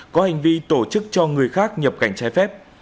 có hành vi tổ chức cho người khác nhập cảnh trái phép